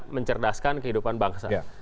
mencerdaskan kehidupan bangsa